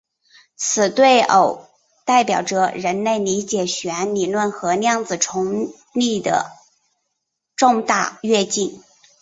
此对偶代表着人类理解弦理论和量子重力的重大跃进。